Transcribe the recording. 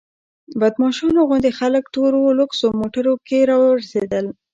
بدماشانو غوندې خلک تورو لوکسو موټرو کې راورسېدل.